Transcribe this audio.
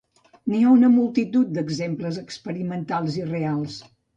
N'hi ha una multitud d'exemples experimentals i reals.